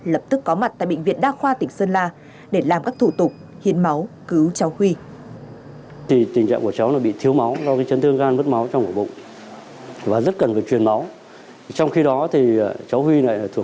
lập tức có mặt tại bệnh viện đa khoa tỉnh sơn la để làm các thủ tục hiến máu cứu cháu quy